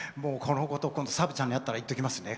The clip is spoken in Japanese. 今度サブちゃんに会ったら言っておきますね。